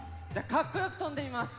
かっこよくとんでみます！